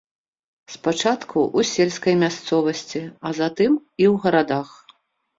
Спачатку ў сельскай мясцовасці, а затым і ў гарадах.